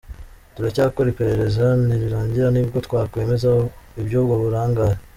Turacyakora iperereza nirirangira ni bwo twakwemeza iby’ubwo burangare.